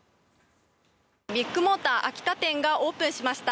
ビッグモーター秋田店がオープンしました。